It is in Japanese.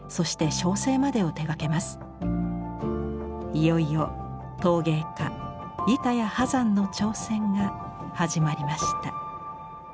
いよいよ陶芸家板谷波山の挑戦が始まりました。